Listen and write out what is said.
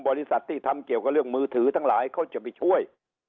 บริษัทที่ทำเกี่ยวกับเรื่องมือถือทั้งหลายเขาจะไปช่วย